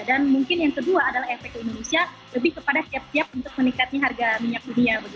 dan mungkin yang kedua adalah efek indonesia lebih kepada siap siap untuk meningkatkan harga minyak dunia